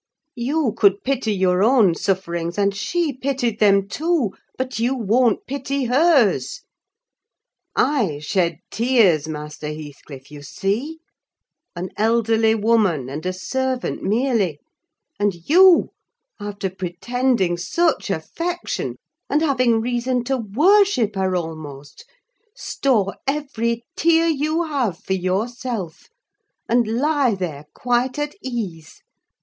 You could pity your own sufferings; and she pitied them, too; but you won't pity hers! I shed tears, Master Heathcliff, you see—an elderly woman, and a servant merely—and you, after pretending such affection, and having reason to worship her almost, store every tear you have for yourself, and lie there quite at ease.